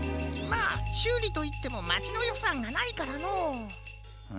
まあしゅうりといってもまちのよさんがないからのう。